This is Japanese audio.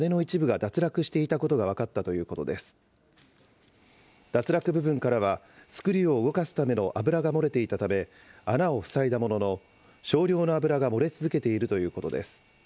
脱落部分からはスクリューを動かすための油が漏れていたため、穴を塞いだものの、少量の油が漏れ続けているということです。